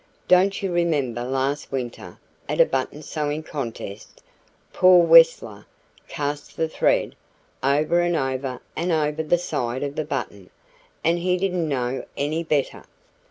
Don't you remember last winter at a button sewing contest, Paul Wetzler cast the thread over and over and over the side of the button and he didn't know any better."